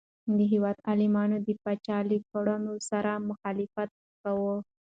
د هیواد عالمانو د پاچا له کړنو سره مخالفت کاوه.